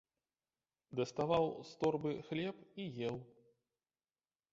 Даставаў з торбы хлеб і еў.